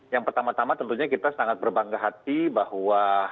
yang pertama tama tentunya kita sangat berbangga hati bahwa